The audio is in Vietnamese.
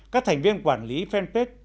các thành viên quản lý friendpet